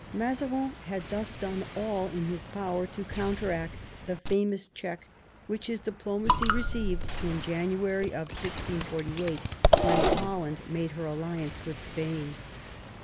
Mazarin had .thus done all in his power to counteract the famous check which his diplomacy re ceived in January 1648, when Holland made her alliance with Spain.